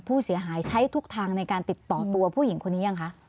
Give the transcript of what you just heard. ผู้เสียหายใช้ทุกทางในการติดต่อตัวผู้หญิงคนนี้ยังคะ